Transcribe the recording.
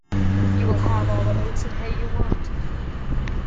You will have all the oats and hay you want.